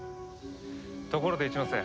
ところで一ノ瀬。